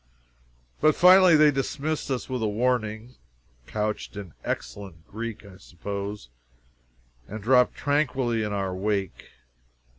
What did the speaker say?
But finally they dismissed us with a warning, couched in excellent Greek, I suppose, and dropped tranquilly in our wake.